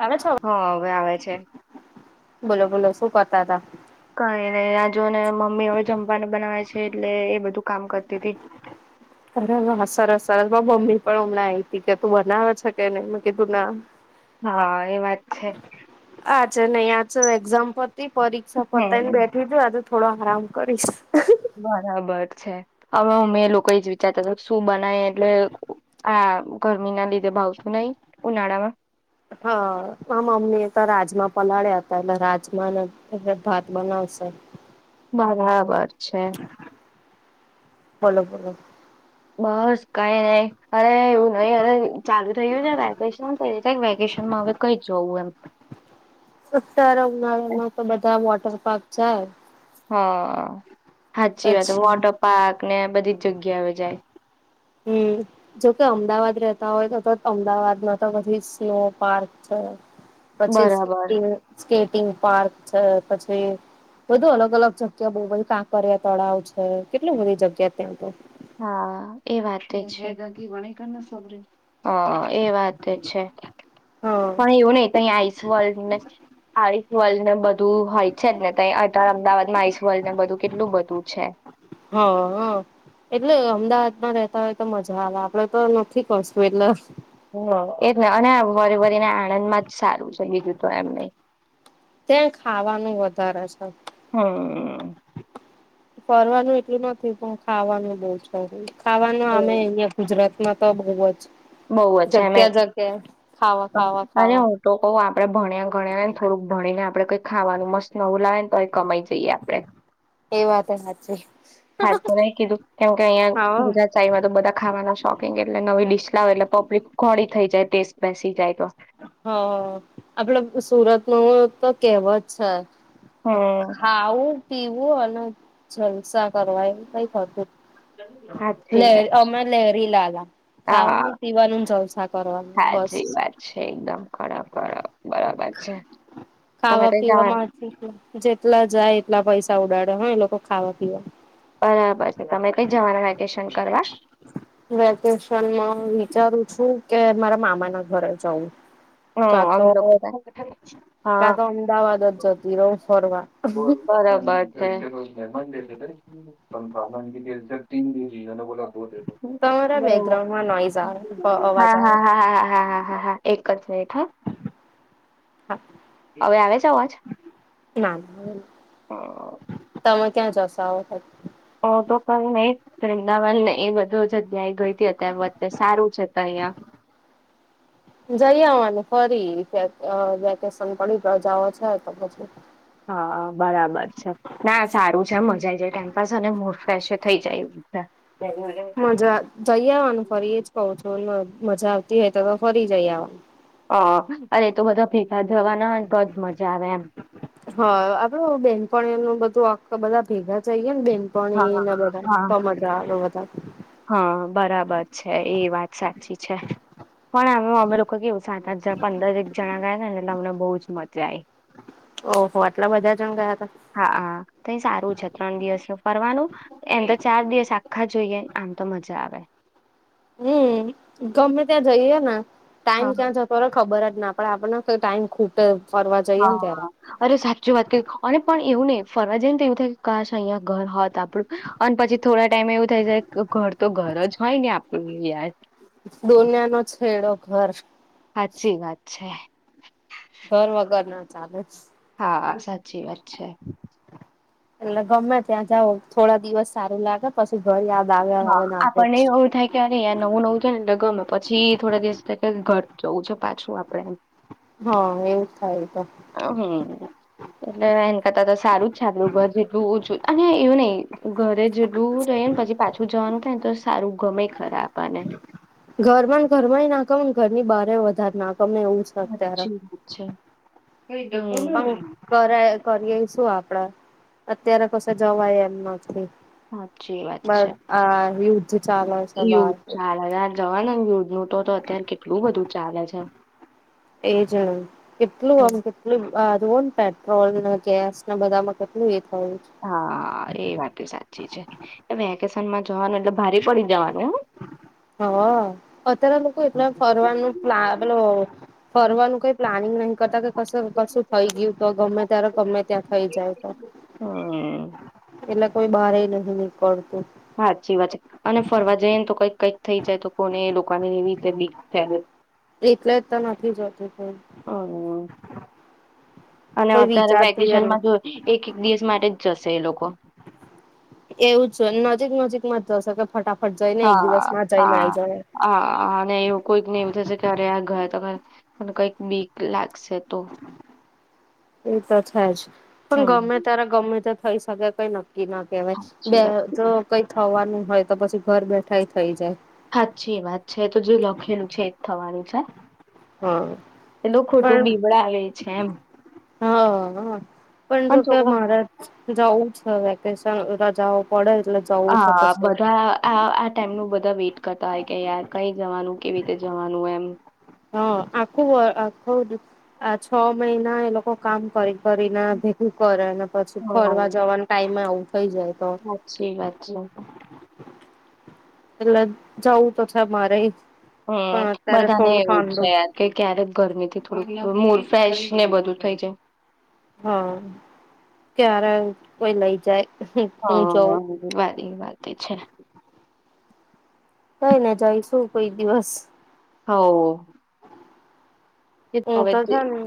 આવે છો? હા હવે આવે છે બોલો બોલો. શું કર્તા હતા.? કઈ નહી, જો ને મમ્મી હવે જમવાનું બનાવે છે. એટલે એ બધું કામ કરતી હતી. હા હા સરસ સરસ મમ્મી પણ હમણાં આવી હતી, કે તું બનાવે છે કે નહી? તું ના. હા એ વાત છે [unintelligible] આજે નહી આજ એક્ઝામ્ પરીક્ષા પતાઈ ને હમ બેઠી છું--. થોડો આરામ કરીશ. બરાબર છે હવે, અમે લોકો જ વિચારતા હતા શું બનાય? એટલે આ ગરમી ના લીધે ભાવતું નઈ, ઉનાળામાં હા! મમ્મી એ તો રાજમા પલાળ્યા હતા. એટલે રાજમાને એ ભાત બનાવશે. બરાબર છે. [unintelligible] બોલો બોલો. બસ કઈ નહીં અરે એવું નહી, અરે ચાલુ થયું છે વેકેશન તય વેકેશન માં હવે કઈ જોવુ એમ. ઉતારા ઉનાળામાં તો બધા મોટા વળી પાછ જાય હા. સાચી વાત પછી વોટર પાર્ક ને બધી જ જગ્યા આવે જાય. હમ જોકે અમદાવાદ રહતા હોય તો તો અમદાવાદમાં તો કછી સ્નો પાર્ક છે. પછી બરાબર સ્કેટિંગ સ્કેટ ગ પાર્ક છે પછી બધું અલગ અલગ જગ્યા બ કાંકરિયા તળાવ છે કેટલી બધી જગ્યા ત્યાં તો હા એ વાત છે [unintelligible] વ સ હ. એ વાત છે. હા પણ એવું નહ વલ્ડ ને બધું હોય છે ને ત અત્યારે અમદાવાદમાં આઈસ વર્લ્ડ ને બધું કેટલું બધું છે. હા હ એટલે અમદાવાદમાં રહતા હોય તો મજા આવે આપડે તો નથી કરતું એટલે હ એજ અને વરે વરીને આનંદ માં જ સારું છે ગીધું હતું એમને ત્યાં ખાવાનું વધારે છે. હમ. ફરવાનું એટલું નથી પણ ખાવાનું બહુ શ ખાવાનું અમે અહિયાં ગુજરાત ના તો બહુ જ બઉ છે એમે જગ્યા જગ્યા ખાવા ખાવા અરે ખાવા હું તો કવ આપ આપડણે ભણ્યા ગણ્યા ને થોડું ભણીને આપ આપણે કંઈ ખાવાનું મસત નવું લાવ ને તો કમાઈ જાય જાય આપડે એ વાત એ હાચી. હા તો અવે કીધું કેમ અહીંયા હા. ગુજરાત ચાઈમાં તો બધા ખાવાના શોખીંગ એટલે નવી ડીસ્ક એટલે પબ્લીક ખોડી થઈ જાય ટેસ્ટ બેસી જાય તો હ આપડે સુરતનુ તો કેવ જ છે. હમ ખાાવુ પીવું અને જલસા કરવા એવું કઈ થતું સાચી વાત લહેરી અમે લહેરી લલા હા ખાવાનું પીવાનું જલસા કરવાનું બસ બરા બરાબર છે. તમે ખાવા કઈ જવાનું પીવામાં જેટલા જાય એટલા પૈસા ઉડાડે હ એ લોકો ખાવા પીવા બરાબર છે તમે કઈ જવાના વેકેશન કરવા વેકેશનમાં વિચારું છું કે મારા મામાના ઘરે જઉું હમ અમે લોકો કા હા તો અમદાવાદ જ જતી રહું ફરવા. બરાબર છે. [inaudible] [unintelligible] તમારા બેકગ્રાઉન્ડમાં નોઈઝ આવે બ બવ અવાજ હા આવે હા હા હા હા હા હાએક બેઠા હા હવે આવે છે અવાજ ના ના તમે ક્યાં જશો આ વખત ઓ તો કઈ નહી અમદાવાદને એ બધો જ અધ્યાય ગઈ હતી અત્યારે બધે સારું છે તય અહં જઈ આવવાનુ ફરી અ વેકેશન પડી જ જાવો છે તો પછી હા બરાબર છે. ના મજા જઈ આવવાનું ફરી એ જ કઉ છું એમા મજા આવતી હોય તો તો ફરી જઈ આવા અ અરે એ તો બધા ભેગા થવાના હોય ને તોજ મજા આવે એમ હ આપડે ઓ બેનપણીઓ નું બધું આમ તો બધા ભેગા જઈએ ને બેન પણી હા ને બધા હા તો મજા આવે વધારે. હા બરાબર છે એ વાત સાચી છે પણ આમે અમે લોકો કેવું સાત આઠ પંદર એક જણા ગયાતાંને એટલે અમને બહુ જ મજા આઇ ઓહો આટલા બધા જણ ગયા હતા હા આ તે સારું છે ત્રણ દિવસે ફરવાનું એમતો ચાર દિવસ આખા જોઈએ આમ તો મજા આવે હમ ગમે ત્યાં જઈએ ને ટાઈમ હા ક્યાં જતો રે ખબર જ ને આપડે આપણને કોઈ ટાઈમ ખૂટે ફરવા જઈએ ને ત્યારે હા અરે સાચી વાત કરી અને પણ એવું નહી ફરવા જઇયે ને એવું થાય કાશ અઇયા ઘર હોત આપડું અને પછી થોડા ટાઈમ એવું થઈ જાય ઘર તો ઘર જ હોય ને આપણું યાાર દોનિયા નો છેડો ઘર સાચી વાત છે ઘર વગર ના ચાલે હા સાચી વાત છે એટલે ગમે ત્યાં જાવ થોડા દિવસ સારું લાગે પછી ઘર યાદ આવે હા આવે ને આવે આપણને જ. એવું થાય કે અરે યાર નવું નવું છે ને એટલે ગમે પછી થોડા દિવસ [unintelligible] ઘર જવું છે પાછું આપડે હ એવું જ થાય છે હમ એટલે એન કરતા તો સારું જ છે આપલું ઘર જેટલું ઓછું અને એવું નહી ઘરે જ જેટલું દૂર રહી ને પછી પાછું જવાનું તો સારું ગમેય ખરા આપડને ઘરમાં ને ઘરમાંય નાખો અને ઘરની બહારય વધારે નાખ ગમે એવું છે અત્યારે સાચી વાત છે કઈ પણ ડગલું કરે કરીએ શું આપડે અત્યારે કશે જવાય એમ નથી બસ આ યુ યુધ ચાલે જવા યુદ્ધ નું તો તો અત્યારે કેટલું બધું ચાલે છે એ જણ કેટલું હમ આમ કેટલું આ જોવોને પેટ્રોલ ન ગેસ ના બધામાં કેટલું થયું છે. હા એ વાત તો સાચી છે. એમાં વેકેશન માં જવાનું એટલે ભારી પડી જવાનું હો હ અત્યારે લોકો એટલા ફરવાનું પ્લા મતલબ હ ફરવાનું કઈ પ્લાનિંગ નહી કરતા કે કશું થઈ ગયું તો ગમે ત્યારે ગમે ત્યાં થઈ જાય તો હમ એટલે કોઈ બહારએ નથી નીકળતું. સાાચી વાત છે અને ફરવા જઈ ને તો કઈક કઈક થઈ જાય તો કોને લોકોને એવી રીતે બીક થે ને. એટલે જ તો નથી જતું કોઈ. હમ અને કોઈ અત્યારે વિચારતું યાર વેકેશનમાં જો એક એક દિવસ માટે જશે એ લોકો એવું છ નજીક નજીકમાં જ તોશે હા હા હા અને એવું કોઈક ને એમ થશે અયારે આ ઘયા તો ધયા અને કઈક બીક લાગશે તો એ તો છે જ. પણ હમ ગમે તારે ગમે તે થઈ સગે કઈ ન કી ના કવાય સાચી બે વાત તો છે. કઈ થવાનું હોય તો પછી ઘર બેઠા થઈ જાય. હાચી વાત છે એ તો જો લખેું છે થવાની નુંજ. હા પણ બીવડાવે છે એમ હા હ પણ જો કે મહારાજ જવું છે વેકેશન રજાઉ પડે એટલે જવું છે હા પછી બધા આ આ ટાઈમનું બ બધા વેઇટ કરતા હોય કે યાર કઈ જવાનું કેવી રીતે જવાનું એમ. હા આખું અહ આખું દુ આ છો મહિના એ લોકો કામ કરી કરીને ભેગું કરે અને પછી ફરવા જવાનું ટાઈમેં આવું થઈ જાય તો હાછી વાત છે એ તો. એટલે જવું તો છે મારેજ હમ્મ બધાને એવું છે યાર કે ક્યારેક ગરમી થી થોડી મુ ફ્રેશ ને બધું થઈ જાય. હા ક્યારે કોઈ લઈ જાય. હા, હું જઉં બાય. એ માટે છે. હઉ ને જયશું કોઈ દિવસ. હઓ. હું તો જે ને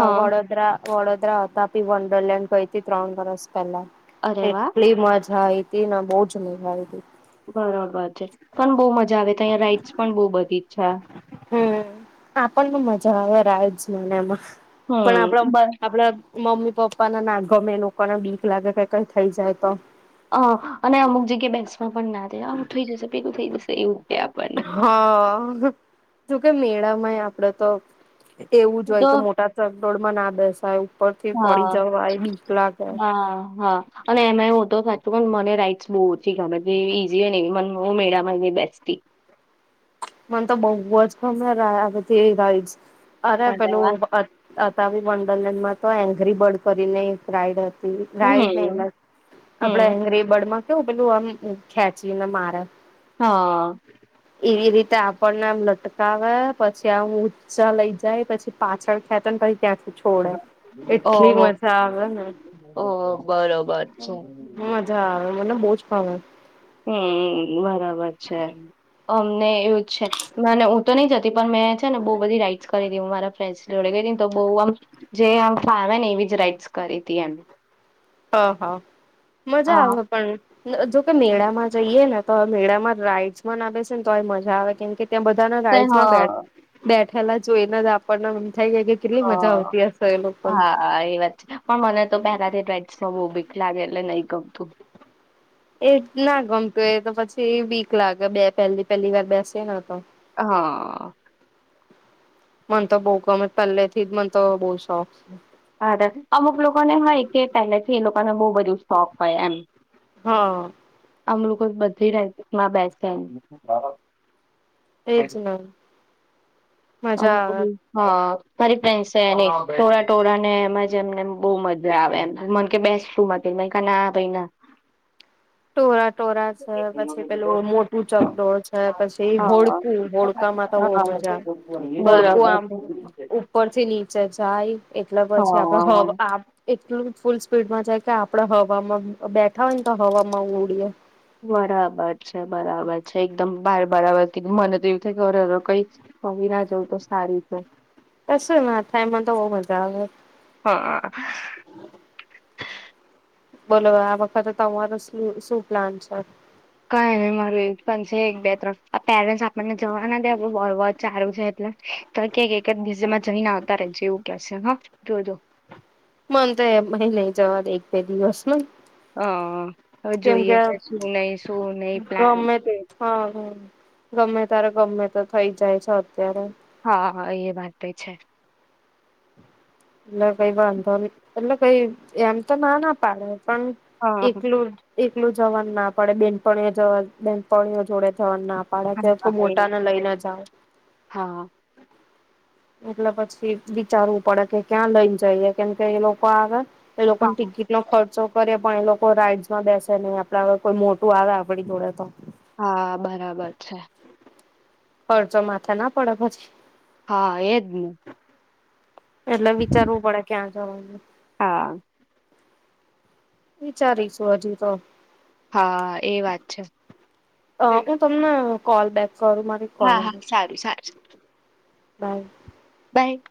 અહ વરોદરા વડોદરા હતા પી વંડરલેન્ડ ગઈ હતી ત્રણ વર્ષ પેલા અરે વાહ એટલી મજ હા એ તી ના બોજ મેડ મળીતી. તહીંયા રાઈટ્સ પણ બહુ બધી છા. હમ આપણ ને મજા આવે રાઇડસ ને એમાં. પણ હમ આપણા બસ આપણા મમ્મી પપ્પા નાને ના ગમે એ લોકોને બીક લાગે કે કઈ થઈ જાય તો. હ અને અમુક જગ્યા બેસમાં પણ ના દે આવું થઈ જશે પેલું. થઈ જશે એવું આપ હા જોકે મેળા મય આપડે તો એવું જ હું હોય તો કે મોટા ચકડોળમાં ના બેસાય ઉપર થી પડી હા જવાય બીક લાગે હા હા અને એમાં હું તો સાચું પણ મને રાઈટસ બહુ ઓછી ગમે તે ઈઝી હોય ને મ મેળામાંને બેસતી મને તો બહુ જ ગમે આ બધી એ રાઈડસ અરે પેલું આતા બન તો એંગરી બર્ડ કરીને એક રાઈડ હ હમ રાઈડ ન આપડા હમ હંગ્રેબર્ડ માં કેવું પેલું આમ ખેંચી ને મારે હા. એવી રીતે તે આપણને આમ લટકાવે પછી આમ ઊંચા લઈ જાય પછી પાછળ ખેતા ને પછ ઓહ મજા આવે ઓહ ને ઓ બરોબર છે. હા. હમ બરાબર. બચ છે. અમને એવું જ છે મને હું તો નહી જતી પણ મેં છે ને બહુ બધી રાઈડ્સ કરી હતી મારા ફ્રેન્ડ જોડે ગઈ હતીને તો બ આમ જેમ ફમે ને એવી જ રાઈડ્સ કરી હતી એ. હા હા. મજા આવે પણ જોકે મેળામાં જઈએ ને. તો મેળામાં રાઈડસ આવે છે ને તો મજા આવે કેમ કે ત્યાં બધાના તે રાઈડસમાં બે હા બેઠ પેલા જો એને જ આપણને થઈ જાય કે હ કેટલી મજા આવતી હશે એ લોકોને હા એ વાત છે પણ મને તો પહેલાથી જ રાઈ જવું બીખ લાગે એટલે નહી ગમતું. એ ના ગમતું એ તો પછી વીક લાગે બે પહેલી પહેલી વાર બેસે ને તો હા. મને તો બહુ ગમે પહેલે થી જ મને તો બહુ શોખ છે. હા અમુક લોકોને હય કે પહેલેથી એ લોકોને બહુ બધું સોખ હોય એમ હા. આમ લોકો બધીમાં બેસે એ જના બ. [unintelligible] હા. તારી ફ્રેન્ડ સે ને ટોળા ટોળા ને એમજ એમને બો મજા આવે એમ. મન કે બેસ [unintelligible] મે ક ના ભાઈ ના. ટોરા ટોરા છે પછી પેલું મોટું ચકડોળ છે પછી હા હોડકું, હોડકામાં તો બો મજા બરાબર હોડકું આમ ઉપરથી નીચે જાય એટલે પછી આપડે હવ હા આબ એ થોડુંક ફૂલ સ્પીડમાં જાય કે આપડ હવામાં બ-બેઠા હોય ન તો હ માં ઉડીયે. બરાબર છે, બરાબર છે. એકદમ બાર બરાબર કીધું. મને તો એવું થાય ક અરરર કઈ જ પડી ના જવ તો સારું છે. કશુંય ના થાય મન તો બો મજા આવે. હા બોલો આ વખતે તમારો શ્લુ-શું પ્લાન છે? કાંઈ નઈ મારું એવું જ પ્લાન છે એક બે ત્રણ આ પેરેન્ટસ આપણને જવાના દે આપડું બર્ડ વોટચ છે, હારું છે એટલે તો કે એક જ દિવસેમાં જઈને આવતા રેજે એવું કે છે હ જોજો. મન તો એમય નઈ જવા એક બે દિવસમાં. અહ હવે કેમ જોઈએ કે છે શું નઈ શું નઈ પ્લાન ગમે હા ગમે ત્યારે ગમે તે થઇ જાય છે અત્યારે હા, એ વાતય છે. એટલે કઈ વાંધો નઈ. એટલે કઈ એમ તો ના ના પાડે. પણ હા હા એકલું એકલું જવાન ના પાડે. બેનપણીઓ જવા બેનપણીઓ જોડે જવાન ના પાડે હા કે કોઈ એ મોટાને માટે. લઈને જાવ. હા એટલે પછી વિચારવું પડે કે ક્યાં લઈને જઈએ કેમ કે એ લોકો આવે એ લોકોન હા ટિકિટનો ખર્ચો કરીએ પણ એ લોકો રાઈડ્સમાં બેેસે નઈ આપડે હવે કોઈ મોટું આવે આપડી જોડે તો. હા, બરાબર છે. ખર્ચો માથે ના પડે પછી? હા, એજ ને. એટલે વિચારવું પડે ક્યાં જવાનું. હા. વિચારીશું હજી તો. હા, એ વાત છે. અ હું તમન કોલ બેક કરું મારી કોલ હા હા. આવે છે સારું સારું સારું. બાય. બાય.